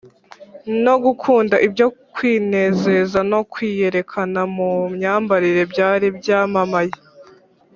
no gukunda ibyo kwinezeza no kwiyerekana mu myambarire byari byamamaye